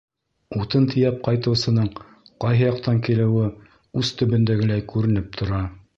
Утын тейәп ҡайтыусының ҡайһы яҡтан килеүе ус төбөндәгеләй күренеп тора.